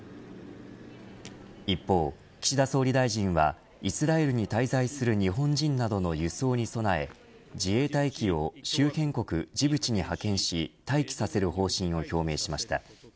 一方、岸田総理大臣はイスラエルに滞在する日本人などの輸送に備え自衛隊機を周辺国ジブチに派遣し待機させる方針を表明しました。